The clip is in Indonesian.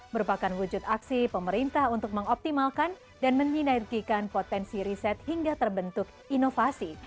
merupakan wujud aksi pemerintah untuk mengoptimalkan dan menyinergikan potensi riset hingga terbentuk inovasi